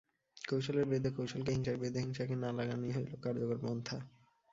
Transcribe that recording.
কৌশলের বিরুদ্ধে কৌশলকে, হিংসার বিরুদ্ধে হিংসাকে না লাগানই হইল কার্যকর পন্থা।